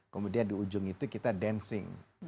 kemudian di ujung itu kita dancing